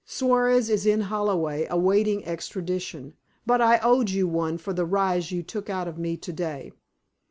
"Suarez is in Holloway, awaiting extradition. But I owed you one for the rise you took out of me to day."